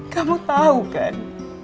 kamu tahu kan